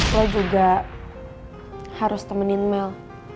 saya juga harus temenin mel